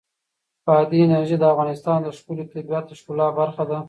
بادي انرژي د افغانستان د ښکلي طبیعت د ښکلا برخه ده.